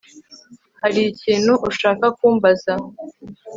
Hari ikintu ushaka kumbaza